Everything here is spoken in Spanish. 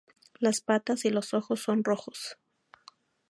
Las patas y los ojos son rojos.